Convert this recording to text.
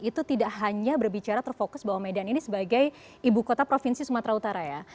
itu tidak hanya berbicara terfokus bahwa medan ini sebagai ibu kota provinsi sumatera utara ya